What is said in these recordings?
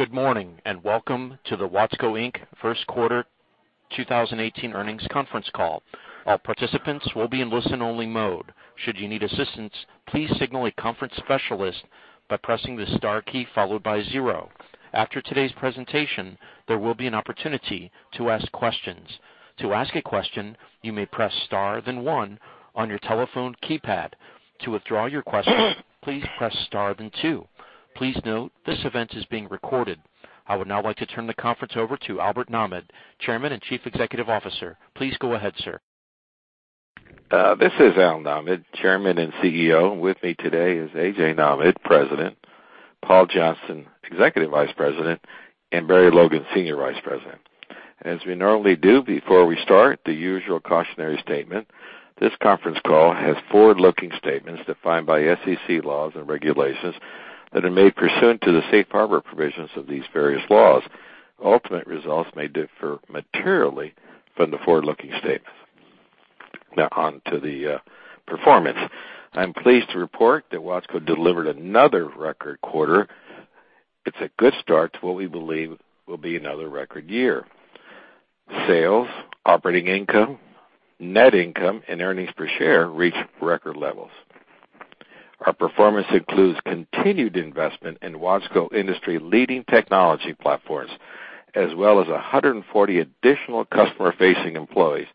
Good morning. Welcome to the Watsco, Inc. Q1 2018 Earnings Conference Call. All participants will be in listen-only mode. Should you need assistance, please signal a conference specialist by pressing the star key followed by zero. After today's presentation, there will be an opportunity to ask questions. To ask a question, you may press star then one on your telephone keypad. To withdraw your question, please press star then two. Please note, this event is being recorded. I would now like to turn the conference over to Albert H. Nahmad, Chairman and Chief Executive Officer. Please go ahead, sir. This is Al Nahmad, Chairman and CEO. With me today is AJ Nahmad, President, Paul Johnston, Executive Vice President, and Barry Logan, Senior Vice President. As we normally do before we start, the usual cautionary statement. This conference call has forward-looking statements defined by SEC laws and regulations that are made pursuant to the safe harbor provisions of these various laws. Ultimate results may differ materially from the forward-looking statements. Now on to the performance. I'm pleased to report that Watsco delivered another record quarter. It's a good start to what we believe will be another record year. Sales, operating income, net income, and earnings per share reached record levels. Our performance includes continued investment in Watsco industry-leading technology platforms, as well as 140 additional customer-facing employees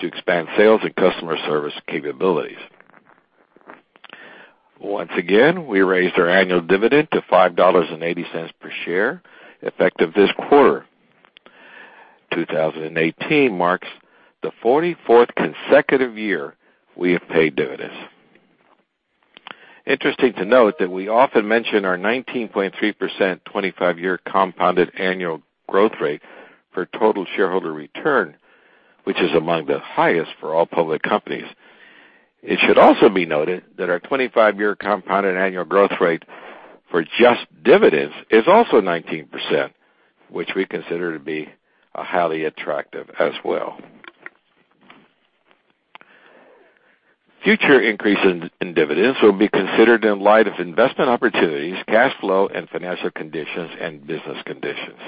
to expand sales and customer service capabilities. Once again, we raised our annual dividend to $5.80 per share, effective this quarter. 2018 marks the 44th consecutive year we have paid dividends. Interesting to note that we often mention our 19.3% 25-year compounded annual growth rate for total shareholder return, which is among the highest for all public companies. It should also be noted that our 25-year compounded annual growth rate for just dividends is also 19%, which we consider to be highly attractive as well. Future increases in dividends will be considered in light of investment opportunities, cash flow and financial conditions and business conditions.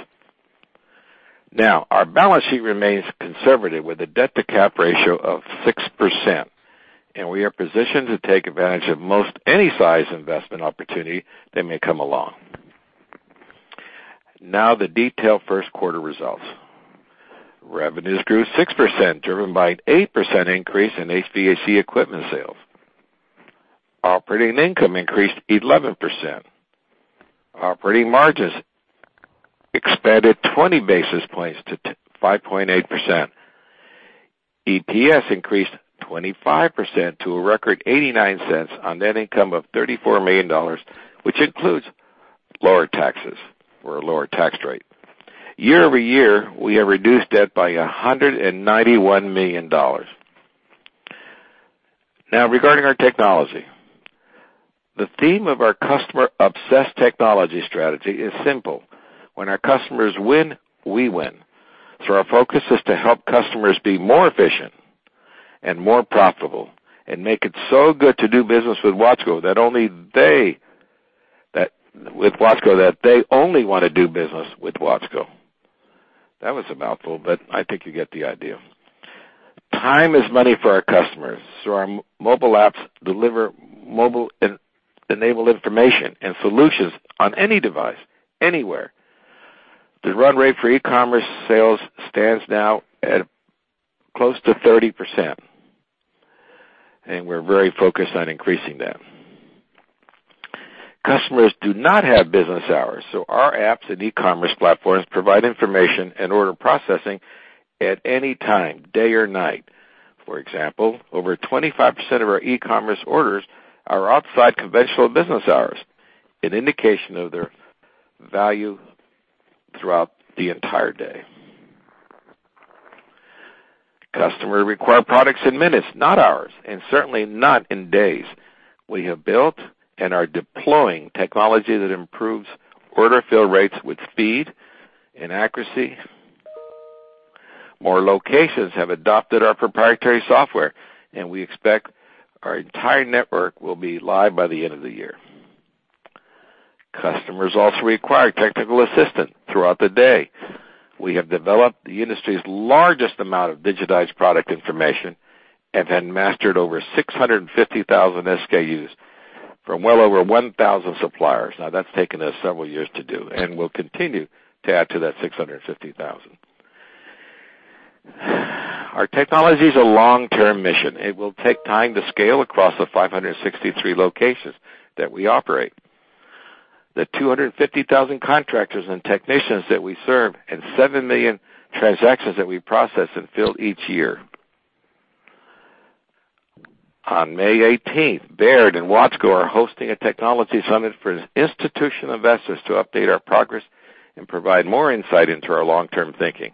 Our balance sheet remains conservative with a debt-to-capital ratio of six percent, and we are positioned to take advantage of most any size investment opportunity that may come along. The detailed Q1 results. Revenues grew six percent, driven by an eight percent increase in HVAC equipment sales. Operating income increased 11%. Operating margins expanded 20 basis points to 5.8%. EPS increased 25% to a record $0.89 on net income of $34 million, which includes lower taxes or a lower tax rate. year-over-year, we have reduced debt by $191 million. Regarding our technology. The theme of our customer-obsessed technology strategy is simple. When our customers win, we win. Our focus is to help customers be more efficient and more profitable and make it so good to do business with Watsco that they only wanna do business with Watsco. That was a mouthful, I think you get the idea. Time is money for our customers, so our mobile apps deliver mobile enabled information and solutions on any device, anywhere. The run rate for e-commerce sales stands now at close to 30%, and we're very focused on increasing that. Customers do not have business hours, so our apps and e-commerce platforms provide information and order processing at any time, day or night. For example, over 25% of our e-commerce orders are outside conventional business hours, an indication of their value throughout the entire day. Customer require products in minutes, not hours, and certainly not in days. We have built and are deploying technology that improves order fill rates with speed and accuracy. More locations have adopted our proprietary software, and we expect our entire network will be live by the end of the year. Customers also require technical assistance throughout the day. We have developed the industry's largest amount of digitized product information and have mastered over 650,000 SKUs from well over 1,000 suppliers. That's taken us several years to do and will continue to add to that 650,000. Our technology is a long-term mission. It will take time to scale across the 563 locations that we operate, the 250,000 contractors and technicians that we serve, and 7 million transactions that we process and fill each year. On May 18th, Baird and Watsco are hosting a technology summit for institutional investors to update our progress and provide more insight into our long-term thinking.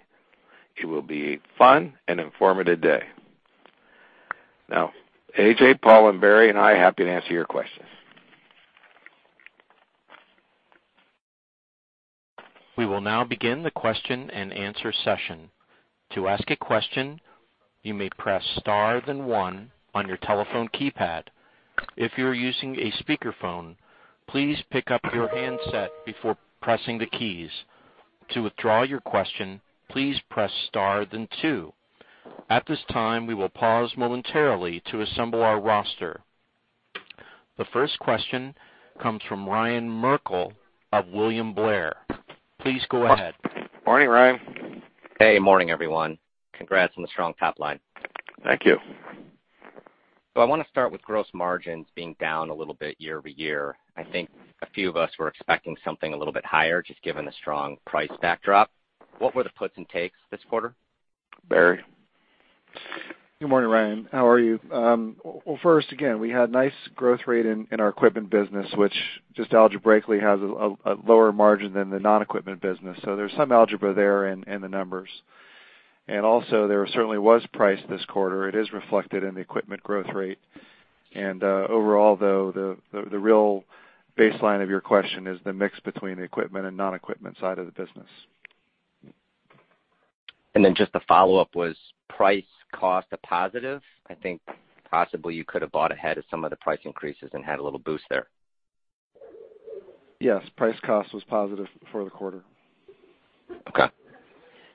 It will be a fun and informative day. AJ, Paul, and Barry and I are happy to answer your questions. The first question comes from Ryan Merkel of William Blair. Please go ahead. Morning, Ryan. Hey. Morning, everyone. Congrats on the strong top line. Thank you. I wanna start with gross margins being down a little bit year-over-year. I think a few of us were expecting something a little bit higher, just given the strong price backdrop. What were the puts and takes this quarter? Barry? Good morning, Ryan. How are you? Well, first again, we had nice growth rate in our equipment business, which just algebraically has a lower margin than the non-equipment business. There's some algebra there in the numbers. There certainly was price this quarter. It is reflected in the equipment growth rate. Overall though, the real baseline of your question is the mix between the equipment and non-equipment side of the business. Then just the follow-up, was price cost a positive? I think possibly you could have bought ahead of some of the price increases and had a little boost there. Yes, price cost was positive for the quarter. Okay.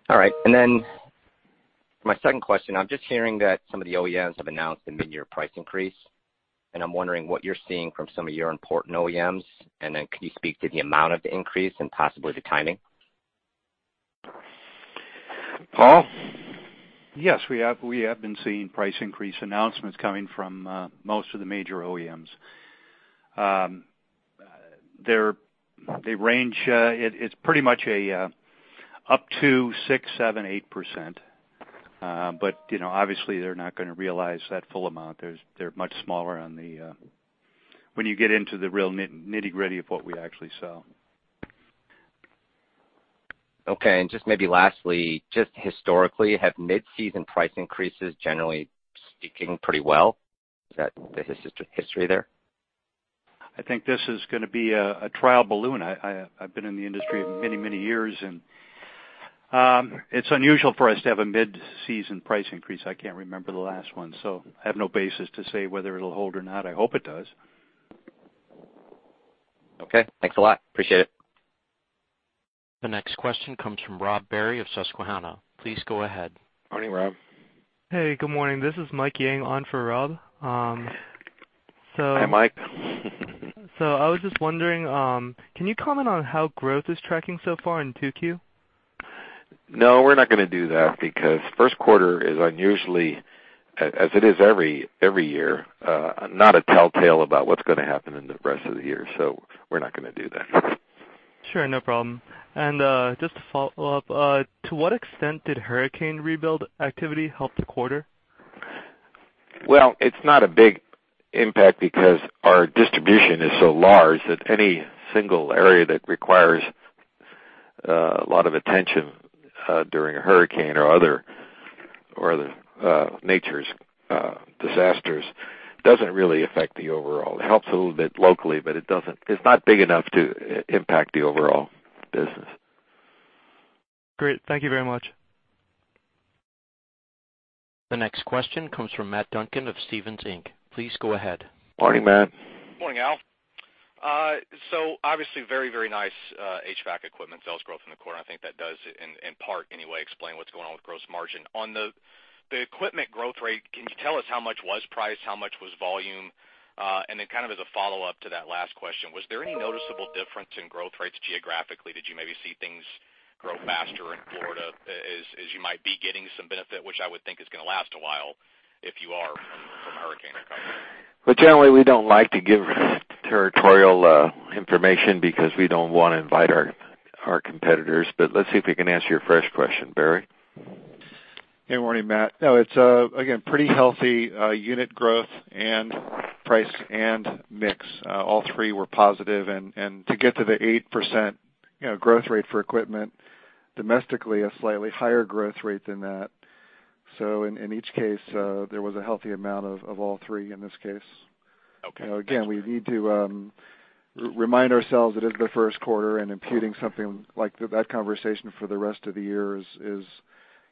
All right. For my second question, I'm just hearing that some of the OEMs have announced a midyear price increase, and I'm wondering what you're seeing from some of your important OEMs. Could you speak to the amount of the increase and possibly the timing? Paul? Yes, we have been seeing price increase announcements coming from most of the major OEMs. They range, it's pretty much up to six percent, seven percent, eight percent. You know, obviously they're not gonna realize that full amount. They're much smaller on the when you get into the real nit-nitty gritty of what we actually sell. Okay. Just maybe lastly, just historically, have mid-season price increases generally sticking pretty well? Is that the history there? I think this is gonna be a trial balloon. I've been in the industry many, many years and it's unusual for us to have a mid-season price increase. I can't remember the last one, so I have no basis to say whether it'll hold or not. I hope it does. Okay. Thanks a lot. Appreciate it. The next question comes from Robert Barry of Susquehanna. Please go ahead. Morning, Rob. Hey, good morning. This is Mike Yang on for Rob. Hi, Mike. I was just wondering, can you comment on how growth is tracking so far in 2Q? No, we're not gonna do that because Q1 is unusually, as it is every year, not a tell-tale about what's gonna happen in the rest of the year, so we're not gonna do that. Sure. No problem. Just to follow up, to what extent did hurricane rebuild activity help the quarter? It's not a big impact because our distribution is so large that any single area that requires a lot of attention during a hurricane or other nature's disasters doesn't really affect the overall. It helps a little bit locally, it doesn't, it's not big enough to impact the overall business. Great. Thank you very much. The next question comes from Matt Duncan of Stephens Inc. Please go ahead. Morning, Matt. Morning, Al. Obviously, very, very nice HVAC equipment sales growth in the quarter, and I think that does in part anyway, explain what's going on with gross margin. On the equipment growth rate, can you tell us how much was price, how much was volume? Kind of as a follow-up to that last question, was there any noticeable difference in growth rates geographically? Did you maybe see things grow faster in Florida as you might be getting some benefit, which I would think is gonna last a while if you are from hurricane recovery? Well, generally, we don't like to give territorial information because we don't wanna invite our competitors. Let's see if we can answer your first question. Barry? Hey. Morning, Matt. No, it's again, pretty healthy unit growth and price and mix. All three were positive. To get to the eight percent you know, growth rate for equipment domestically, a slightly higher growth rate than that. In each case, there was a healthy amount of all three in this case. Okay. You know, again, we need to remind ourselves it is the first quarter, and imputing something like that conversation for the rest of the year is,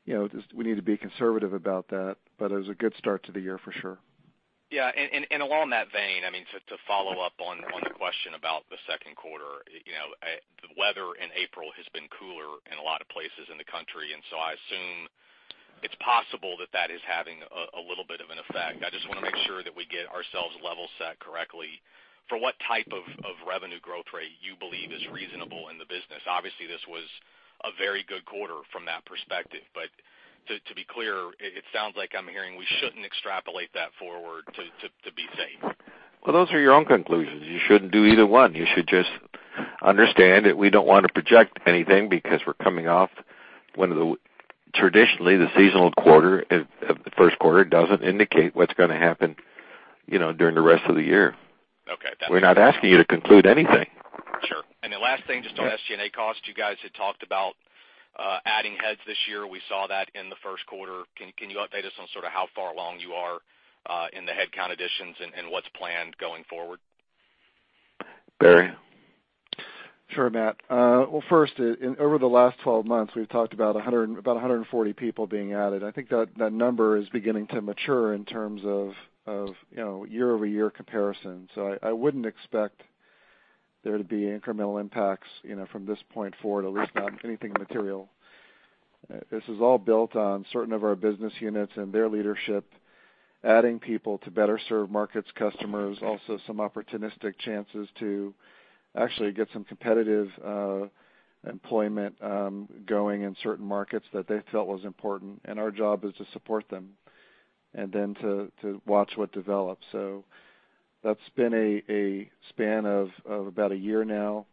you know, just we need to be conservative about that. It was a good start to the year for sure. Yeah. Along that vein, I mean, to follow up on the question about the Q2, you know, the weather in April has been cooler in a lot of places in the country. I assume it's possible that that is having a little bit of an effect. I just wanna make sure that we get ourselves level set correctly for what type of revenue growth rate you believe is reasonable in the business. Obviously, this was a very good quarter from that perspective. To be clear, it sounds like I'm hearing we shouldn't extrapolate that forward to be safe. Well, those are your own conclusions. You shouldn't do either one. You should just understand that we don't wanna project anything because we're coming off one of the Traditionally, the seasonal quarter of the Q1 doesn't indicate what's gonna happen, you know, during the rest of the year. Okay. We're not asking you to conclude anything. Sure. Last thing, just on SG&A cost, you guys had talked about. Adding heads this year, we saw that in the Q1. Can you update us on sort of how far along you are in the headcount additions and what's planned going forward? Barry? Sure, Matt. Well, first, over the last 12 months, we've talked about 100, about 140 people being added. I think that number is beginning to mature in terms of, you know, year-over-year comparison. I wouldn't expect there to be incremental impacts, you know, from this point forward, at least not anything material. This is all built on certain of our business units and their leadership, adding people to better serve markets, customers, also some opportunistic chances to actually get some competitive employment going in certain markets that they felt was important, and our job is to support them and then to watch what develops. That's been a span of about one year now,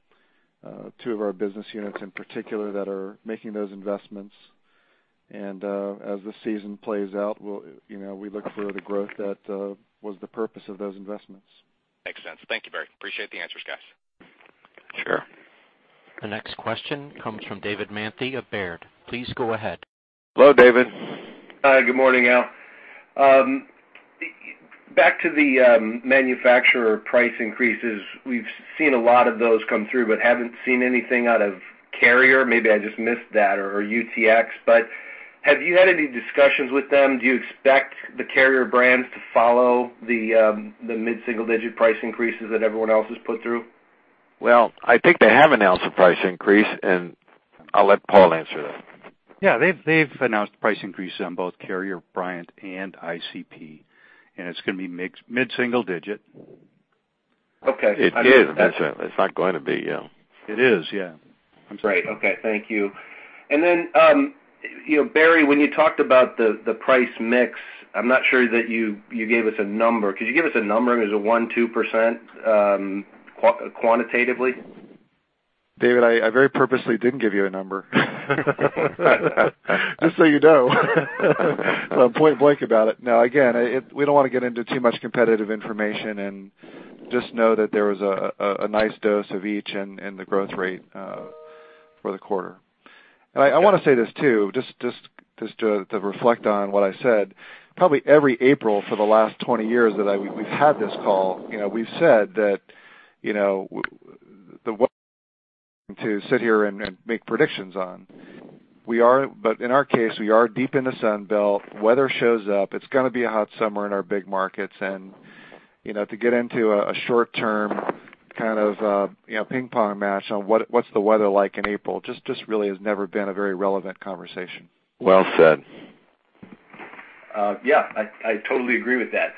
two of our business units in particular that are making those investments. As the season plays out, we'll, you know, we look for the growth that was the purpose of those investments. Makes sense. Thank you, Barry. Appreciate the answers, guys. Sure. The next question comes from David Manthey of Baird. Please go ahead. Hello, David. Hi, good morning, Al. Back to the manufacturer price increases. We've seen a lot of those come through, but haven't seen anything out of Carrier. Maybe I just missed that or UTX. Have you had any discussions with them? Do you expect the Carrier brands to follow the mid-single digit price increases that everyone else has put through? Well, I think they have announced a price increase, and I'll let Paul answer that. Yeah, they've announced price increases on both Carrier, Bryant, and ICP, it's gonna be mid-single digit. Okay. It is. It's not going to be. Yeah. It is. Yeah. Great. Okay. Thank you. Then, you know, Barry, when you talked about the price mix, I'm not sure that you gave us a number. Could you give us a number? Is it one percent, two percent quantitatively? David, I very purposely didn't give you a number. Just so you know. I'm point blank about it. Again, we don't wanna get into too much competitive information and just know that there was a nice dose of each in the growth rate for the quarter. I wanna say this too, just to reflect on what I said. Probably every April for the last 20 years that we've had this call, you know, we've said that, you know, to sit here and make predictions on. In our case, we are deep in the Sun Belt. Weather shows up. It's gonna be a hot summer in our big markets. You know, to get into a short-term kind of, you know, ping-pong match on what's the weather like in April, just really has never been a very relevant conversation. Well said. Yeah, I totally agree with that.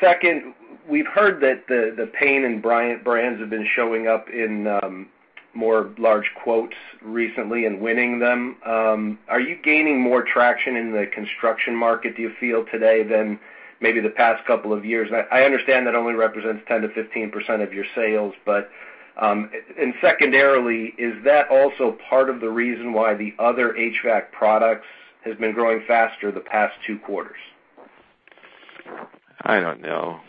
Second, we've heard that the Payne and Bryant brands have been showing up in more large quotes recently and winning them. Are you gaining more traction in the construction market, do you feel today, than maybe the past couple of years? I understand that only represents 10%-15% of your sales, but, and secondarily, is that also part of the reason why the other HVAC products has been growing faster the past Q2? I don't know.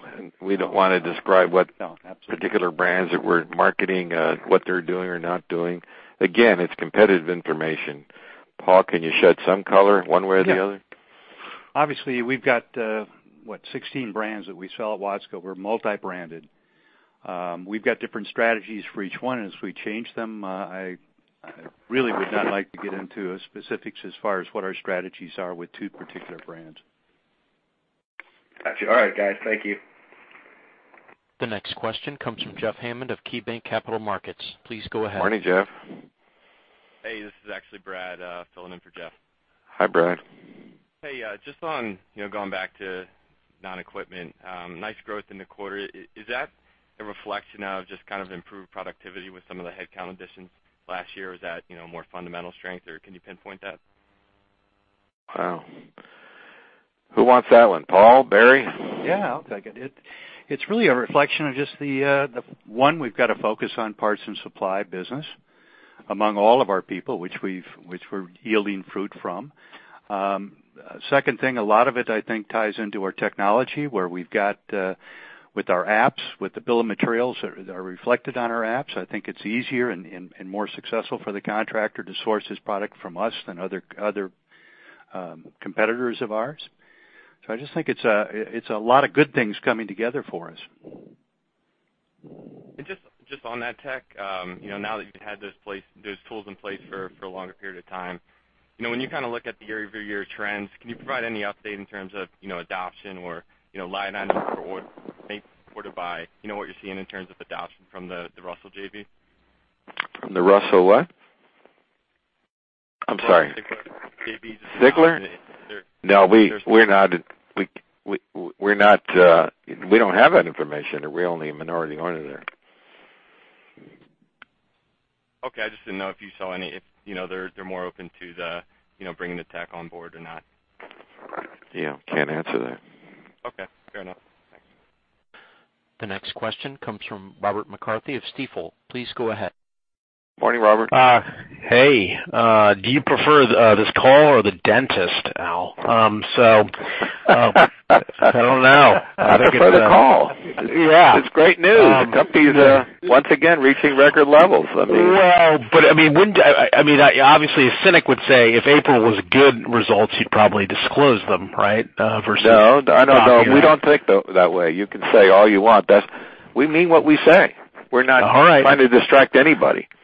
We don't wanna describe. No. Absolutely. particular brands that we're marketing, what they're doing or not doing. Again, it's competitive information. Paul, can you shed some color one way or the other? Yeah. Obviously, we've got, what, 16 brands that we sell at Watsco. We're multi-branded. We've got different strategies for each one. As we change them, I really would not like to get into specifics as far as what our strategies are with two particular brands. Got you. All right, guys. Thank you. The next question comes from Jeffrey Hammond of KeyBanc Capital Markets. Please go ahead. Morning, Jeff. Hey, this is actually Brad, filling in for Jeff. Hi, Brad. Hey, just on, you know, going back to non-equipment, nice growth in the quarter. Is that a reflection of just kind of improved productivity with some of the headcount additions last year? Is that, you know, more fundamental strength, or can you pinpoint that? Wow. Who wants that one? Paul? Barry? Yeah, I'll take it. It's really a reflection of just the one, we've got a focus on parts and supply business among all of our people, which we're yielding fruit from. Second thing, a lot of it, I think, ties into our technology, where we've got with our apps, with the bill of materials that are reflected on our apps. I think it's easier and more successful for the contractor to source his product from us than other competitors of ours. I just think it's a lot of good things coming together for us. Just on that tech, you know, now that you've had those tools in place for a longer period of time, you know, when you kind of look at the year-over-year trends, can you provide any update in terms of, you know, adoption or, you know, line item or make or to buy, you know, what you're seeing in terms of adoption from the Russell JV? From the Russell what? I'm sorry. Sigler JV Sigler JV? No, we don't have that information. We're only a minority owner there. Okay. I just didn't know if you saw any if, you know, they're more open to the, you know, bringing the tech on board or not? Yeah. Can't answer that. Okay. Fair enough. Thanks. The next question comes from Robert McCarthy of Stifel. Please go ahead. Morning, Robert. Hey. Do you prefer this call or the dentist, Al? I don't know. I prefer the call. Yeah. It's great news. The company's once again, reaching record levels. Well, I mean, wouldn't I mean, obviously, a cynic would say, if April was good results, you'd probably disclose them, right? No, I don't know. We don't think that way. You can say all you want. We mean what we say. We're not. All right. Trying to distract anybody. All right. Well,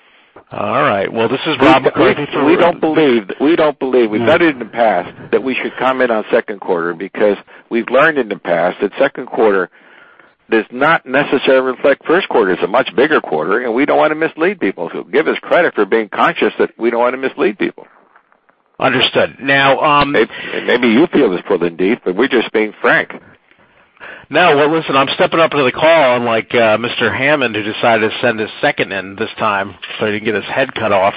this is Robert McCarthy. We don't believe, we don't believe, we've said it in the past, that we should comment on second quarter because we've learned in the past that Q2 does not necessarily reflectQ1. It's a much bigger quarter, and we don't wanna mislead people. So give us credit for being conscious that we don't wanna mislead people. Understood. Maybe you feel this pull the need, but we're just being frank. No. Well, listen, I'm stepping up to the call unlike Mr. Hammond, who decided to send his second in this time so he can get his head cut off.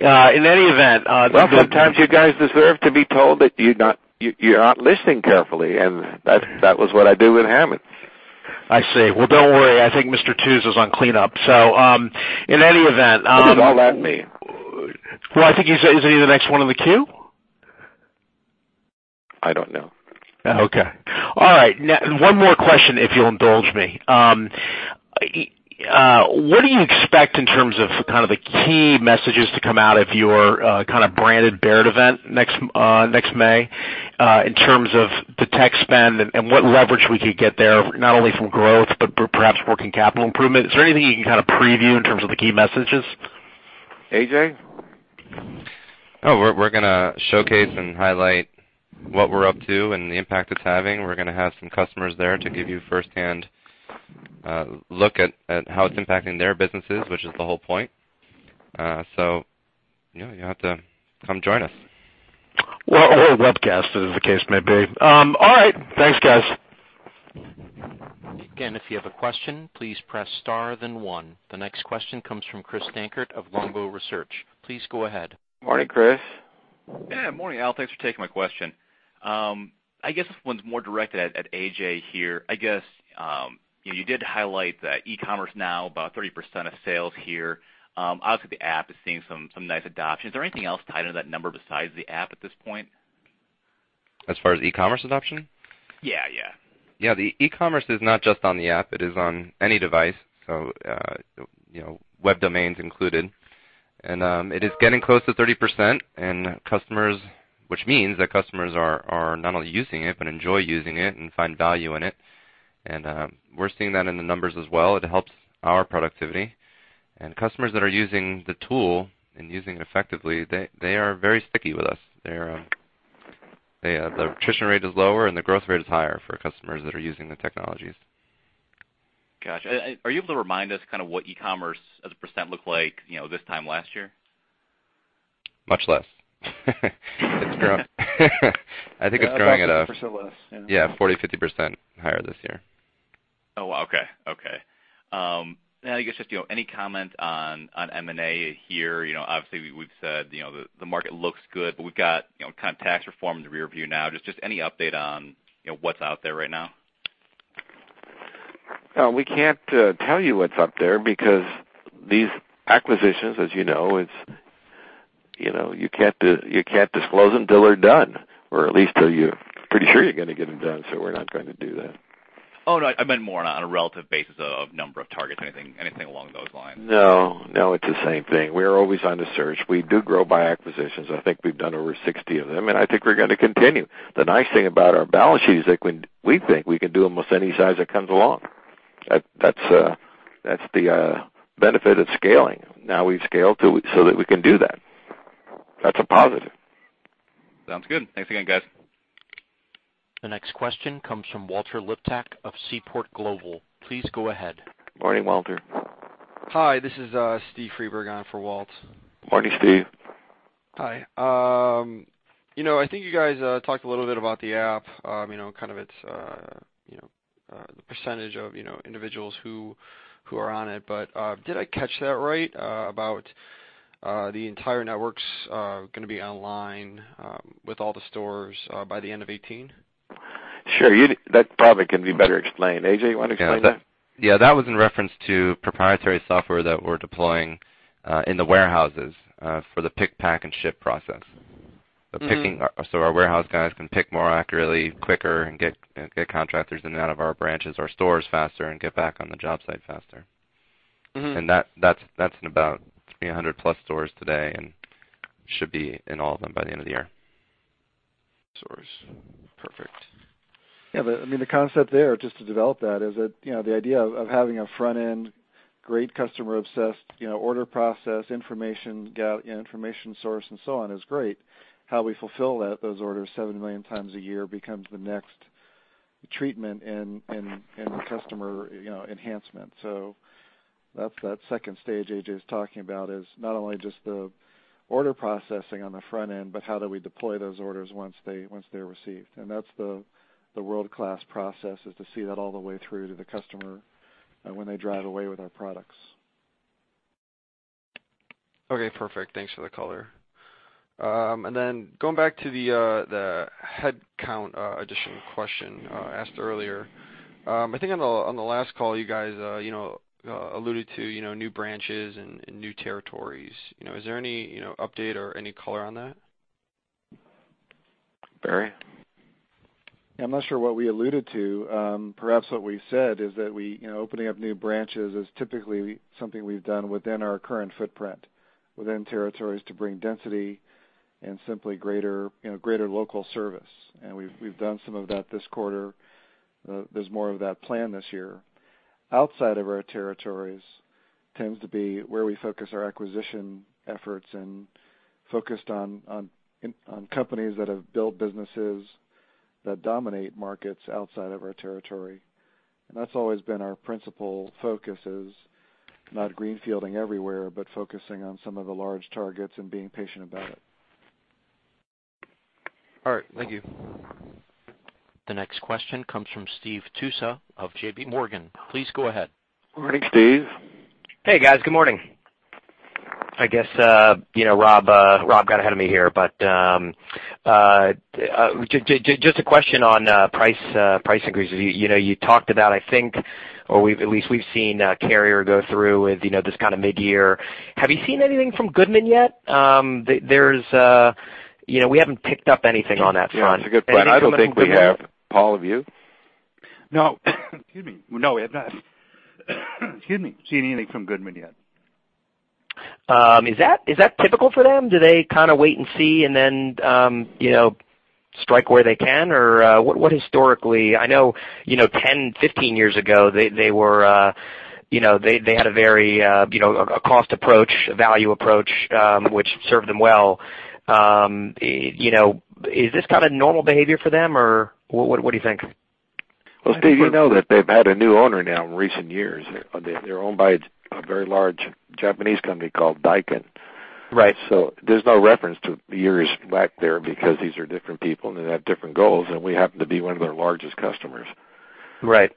In any event. Well, sometimes you guys deserve to be told that you're not, you're not listening carefully, and that was what I do with Hammond. I see. Well, don't worry. I think Mr. Tusa is on cleanup. In any event. What does all that mean? Well, I think isn't he the next one on the queue? I don't know. Okay. All right. one more question, if you'll indulge me. What do you expect in terms of kind of the key messages to come out of your kind of branded Baird event next May, in terms of the tech spend and what leverage we could get there, not only from growth, but perhaps working capital improvement? Is there anything you can kind of preview in terms of the key messages? AJ? Oh, we're gonna showcase and highlight what we're up to and the impact it's having. We're gonna have some customers there to give you firsthand look at how it's impacting their businesses, which is the whole point. Yeah, you have to come join us. Well, or webcast it, as the case may be. All right. Thanks, guys. Again, if you have a question, please press star then one. The next question comes from Christopher Dankert of Longbow Research. Please go ahead. Morning, Chris. Yeah. Morning, Al. Thanks for taking my question. I guess this one's more directed at AJ here. I guess, you know, you did highlight that e-commerce now about 30% of sales here. Obviously, the app is seeing some nice adoption. Is there anything else tied into that number besides the app at this point? As far as e-commerce adoption? Yeah, yeah. Yeah, the e-commerce is not just on the app. It is on any device. You know, web domains included. It is getting close to 30%, and customers which means that customers are not only using it, but enjoy using it and find value in it. We're seeing that in the numbers as well. It helps our productivity. Customers that are using the tool and using it effectively, they are very sticky with us. The attrition rate is lower and the growth rate is higher for customers that are using the technologies. Gotcha. Are you able to remind us kinda what e-commerce as a percent looked like, you know, this time last year? Much less. It's grown. For sure less, yeah. Yeah, 40%-50% higher this year. Oh, wow. Okay, okay. Now I guess just, you know, any comment on M&A here? You know, obviously, we've said, you know, the market looks good, but we've got, you know, kind of tax reform in the rear view now. Just any update on, you know, what's out there right now? We can't tell you what's up there because these acquisitions, as you know, it's, you know, you can't disclose them till they're done, or at least till you're pretty sure you're gonna get them done, so we're not going to do that. Oh, no, I meant more on a relative basis of number of targets, anything along those lines. No, no. It's the same thing. We are always on the search. We do grow by acquisitions. I think we've done over 60 of them, and I think we're gonna continue. The nice thing about our balance sheet is that when we think we can do almost any size that comes along. That's the benefit of scaling. We've scaled so that we can do that. That's a positive. Sounds good. Thanks again, guys. The next question comes from Walter Liptak of Seaport Global. Please go ahead. Morning, Walter. Hi, this is Steve Friedberg on for Walt. Morning, Steve. Hi. You know, I think you guys talked a little bit about the app, you know, kind of its, you know, the percentage of, you know, individuals who are on it. Did I catch that right about the entire network's gonna be online with all the stores by the end of 2018? Sure. That probably can be better explained. AJ, you wanna explain that? Yeah, that was in reference to proprietary software that we're deploying, in the warehouses, for the pick, pack, and ship process. Our warehouse guys can pick more accurately, quicker and get contractors in and out of our branches or stores faster and get back on the job site faster. That's in about 300 plus stores today and should be in all of them by the end of the year. stores. Perfect. Yeah, the, I mean, the concept there, just to develop that, is that, you know, the idea of having a front-end, great customer obsessed, you know, order process, information information source, and so on is great. How we fulfill that, those orders 7 million times a year becomes the next treatment and customer, you know, enhancement. That's that second stage AJ's talking about, is not only just the order processing on the front end, but how do we deploy those orders once they're received. That's the world-class process, is to see that all the way through to the customer, when they drive away with our products. Okay, perfect. Thanks for the color. Going back to the headcount addition question asked earlier. I think on the last call, you guys, you know, alluded to, you know, new branches and new territories. You know, is there any, you know, update or any color on that? Barry? I'm not sure what we alluded to. Perhaps what we said is that we, you know, opening up new branches is typically something we've done within our current footprint, within territories to bring density and simply greater, you know, greater local service. We've done some of that this quarter. There's more of that planned this year. Outside of our territories tends to be where we focus our acquisition efforts and focused on companies that have built businesses that dominate markets outside of our territory. That's always been our principal focus is not greenfielding everywhere, but focusing on some of the large targets and being patient about it. All right. Thank you. The next question comes from Stephen Tusa of J.P. Morgan. Please go ahead. Morning, Steve. Hey, guys. Good morning. I guess, you know, Rob got ahead of me here, but just a question on price increase. You know, you talked about, I think, or we've at least we've seen Carrier go through with, you know, this kind of mid-year. Have you seen anything from Goodman yet? There's, you know, we haven't picked up anything on that front. Yeah, it's a good point. I don't think we have. Paul, have you? No. Excuse me. No, we have not excuse me, seen anything from Goodman yet. Is that typical for them? Do they kind of wait and see and then, you know, strike where they can? Or, what historically I know, you know, 10, 15 years ago, they were, you know, they had a very, you know, a cost approach, a value approach, which served them well. You know, is this kind of normal behavior for them, or what do you think? Well, Stephen Tusa, you know that they've had a new owner now in recent years. They're owned by a very large Japanese company called Daikin. Right. There's no reference to years back there because these are different people, and they have different goals, and we happen to be one of their largest customers. Right.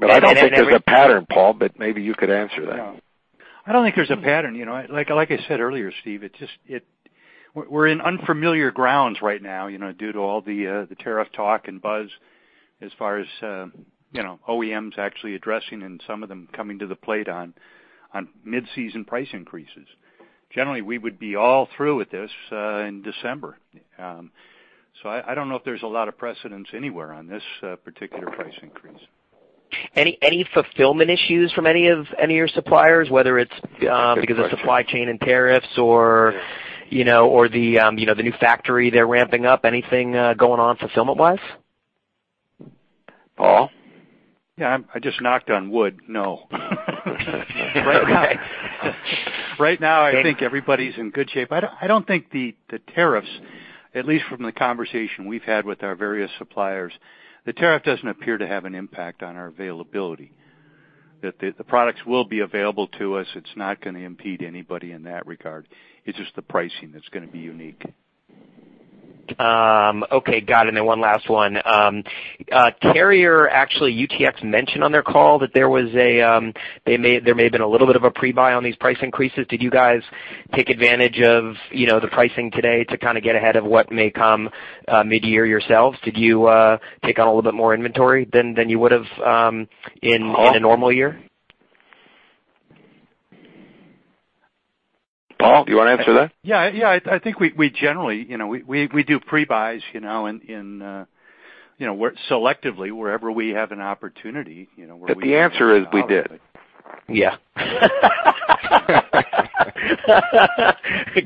I don't think there's a pattern, Paul, but maybe you could answer that. No. I don't think there's a pattern. You know, like I said earlier, Steve, it just we're in unfamiliar grounds right now, you know, due to all the tariff talk and buzz as far as, you know, OEMs actually addressing and some of them coming to the plate on mid-season price increases. Generally, we would be all through with this in December. I don't know if there's a lot of precedence anywhere on this particular price increase. Any fulfillment issues from any of your suppliers? Yeah, good question. because of supply chain and tariffs or, you know, or the, you know, the new factory they're ramping up. Anything going on fulfillment wise? Paul? Yeah, I just knocked on wood. No. Okay. Right now, I think everybody's in good shape. I don't think the tariffs, at least from the conversation we've had with our various suppliers, the tariff doesn't appear to have an impact on our availability. That the products will be available to us. It's not gonna impede anybody in that regard. It's just the pricing that's gonna be unique. Okay, got it. One last one. Carrier, actually, UTX mentioned on their call that there was a, there may have been a little bit of a pre-buy on these price increases. Did you guys take advantage of, you know, the pricing today to kind of get ahead of what may come mid-year yourselves? Did you take on a little bit more inventory than you would've in a normal year? Paul, do you wanna answer that? Yeah. Yeah. I think we generally, you know, we do pre-buys, you know, in, you know, selectively wherever we have an opportunity, you know. The answer is we did. Yeah.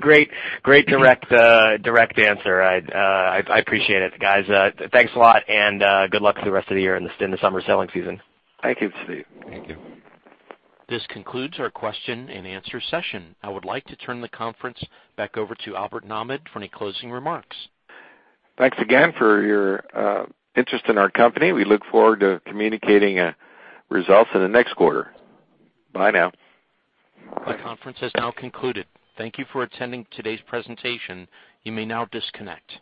Great, great, direct answer. I'd appreciate it, guys. Thanks a lot, and good luck for the rest of the year and the summer selling season. Thank you, Steve. Thank you. This concludes our question and answer session. I would like to turn the conference back over to Albert Nahmad for any closing remarks. Thanks again for your interest in our company. We look forward to communicating results in the next quarter. Bye now. Bye. The conference has now concluded. Thank you for attending today's presentation. You may now disconnect.